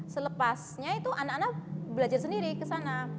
selepasnya itu anak anak belajar sendiri ke sana